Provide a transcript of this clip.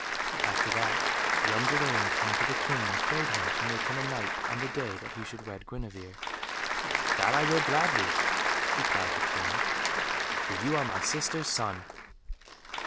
After that young Gawaine came to the King, and prayed him to make him a Knight on the day that he should wed Guenevere. "That I will gladly," replied the King, "for you are my sister's son."